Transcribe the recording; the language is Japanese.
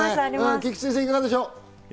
菊地先生、いかがでしょう？